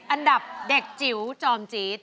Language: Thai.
อันดับเด็กจิ๋วจอมจี๊ด